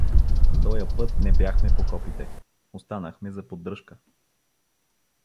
Тоя път не бяхме в окопите — останахме за поддръжка.